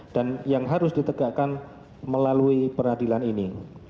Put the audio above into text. dan yang harus ditegakkan melalui peradilan ini